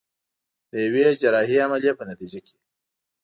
د يوې جراحي عمليې په نتيجه کې.